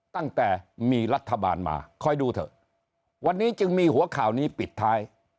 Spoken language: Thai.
ตั้งแต่มีรัฐบาลมาคอยดูเถอะวันนี้จึงมีหัวข่าวนี้ปิดท้าย